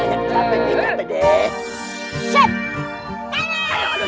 apa ini daripada